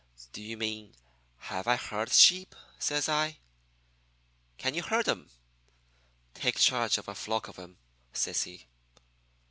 "'Do you mean have I heard sheep?' says I. "'Can you herd 'em take charge of a flock of 'em?' says he.